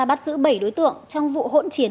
bắt giữ bảy đối tượng trong vụ hỗn chiến